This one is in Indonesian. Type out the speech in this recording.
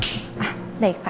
suruh masuk aja pak